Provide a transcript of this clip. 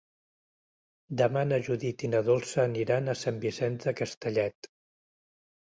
Demà na Judit i na Dolça aniran a Sant Vicenç de Castellet.